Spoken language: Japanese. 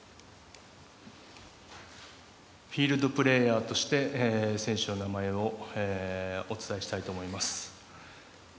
フィールドプレーヤーとして選手の名前をお伝えしたいと思います。